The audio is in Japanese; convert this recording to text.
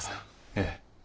ええ。